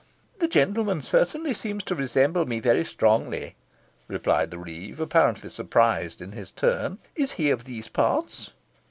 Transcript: "The gentleman certainly seems to resemble me very strongly," replied the reeve, apparently surprised in his turn. "Is he of these parts?"